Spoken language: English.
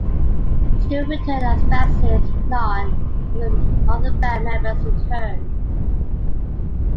Stewart returned as bassist; none of the other band members returned.